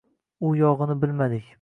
Bu yog`ini bilmadik